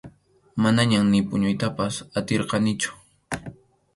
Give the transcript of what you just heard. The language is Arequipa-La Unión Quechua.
Manañam ni puñuytapas atirqanichu.